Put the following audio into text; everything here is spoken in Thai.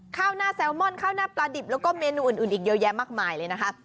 ข้าวหน้าแซลมอนข้าวหน้าปลาดิบแล้วก็เมนูอื่นอีกเยอะแยะมากมายเลยนะคะ